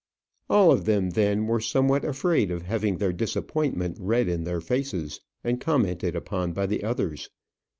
All of them, then, were somewhat afraid of having their disappointment read in their faces, and commented upon by the others.